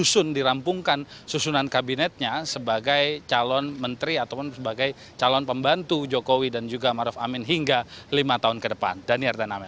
disusun dirampungkan susunan kabinetnya sebagai calon menteri ataupun sebagai calon pembantu jokowi dan juga maruf amin hingga lima tahun ke depan